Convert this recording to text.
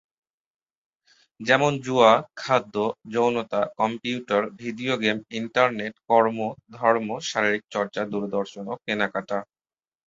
যেমন- জুয়া, খাদ্য, যৌনতা, কম্পিউটার, ভিডিও গেইম, ইন্টারনেট, কর্ম, ধর্ম, শারীরিক চর্চা, দূরদর্শন ও কেনাকাটা।